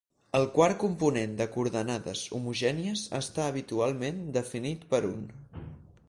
El quart component de coordenades homogènies està habitualment definit per un.